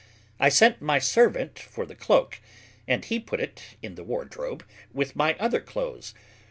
I sent my servant for the cloak, and he put it in the wardrobe with my other clothes.